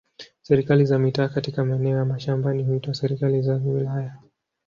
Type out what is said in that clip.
Serikali za mitaa katika maeneo ya mashambani huitwa serikali za wilaya.